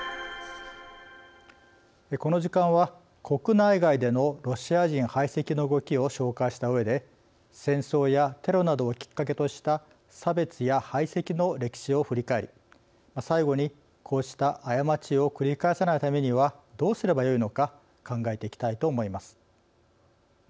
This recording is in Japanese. この時間は、国内外でのロシア人排斥の動きを紹介したうえで戦争やテロなどをきっかけとした差別や排斥の歴史を振り返り最後に、こうした過ちを繰り返さないためにはどうすればよいのか考えていきたいと思います。